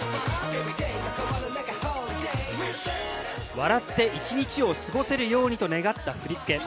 笑って一日を過ごせるように！と願った振り付け。